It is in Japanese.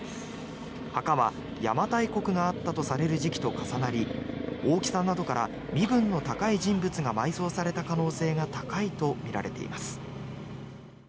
墓は邪馬台国があったとされる時期と重なり大きさなどから身分の高い人物が埋葬された可能性が高いとみられています。